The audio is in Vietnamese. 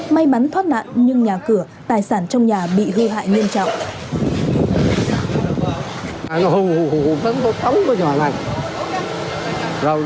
may mắn thoát nạn nhưng nhà cửa tài sản trong nhà bị hư hại nghiêm trọng